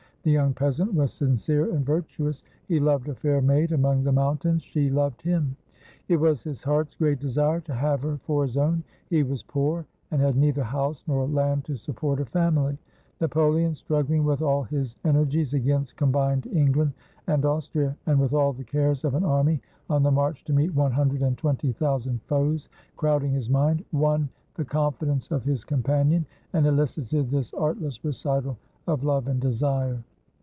The young peasant was sincere and virtuous. He loved a fair maid among the mountains. She loved him. It was his heart's great desire to have her for his own. He was poor, and had neither house nor land to support a family. Napoleon, strugghng with all his energies against combined England and Austria, and with all the cares of an army, on the march to meet one hundred and twenty thousand foes, crowding his mind, won the confidence of his companion, and elicited this artless recital of love and desire.